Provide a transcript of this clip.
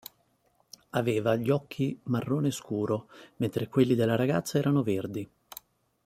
Aveva gli occhi marrone scuro, mentre quelli della ragazza erano verdi.